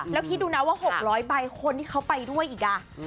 แล้วคิดดูนะว่า๖๐๐ใบคนที่เขาไปด้วยอีก